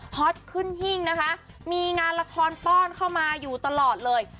ฮอตขึ้นหิ้งนะคะมีงานละครป้อนเข้ามาอยู่ตลอดเลย